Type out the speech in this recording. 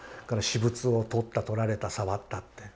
私物を取った取られた触ったって。